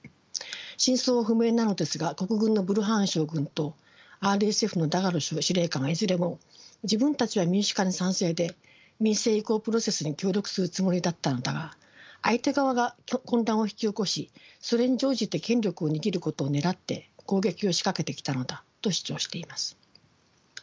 真相は不明なのですが国軍のブルハン将軍とＲＳＦのダガロ司令官はいずれも自分たちは民主化に賛成で民政移行プロセスに協力するつもりだったのだが相手側が混乱を引き起こしそれに乗じて権力を握ることをねらって攻撃を仕掛けてきたのだと主張しています。